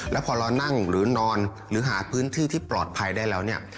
แล้วพอเรานั่งหรือนอนหรือหาพื้นที่ที่ปลอดภัยได้แล้วเนี่ย